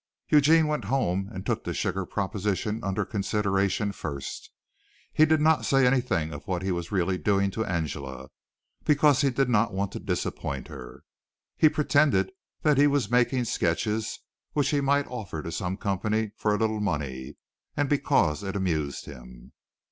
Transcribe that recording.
Eugene went home and took the sugar proposition under consideration first. He did not say anything of what he was really doing to Angela, because he did not want to disappoint her. He pretended that he was making sketches which he might offer to some company for a little money and because it amused him.